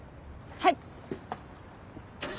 はい！